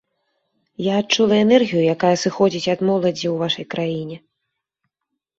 Я адчула энергію, якая сыходзіць ад моладзі ў вашай краіне.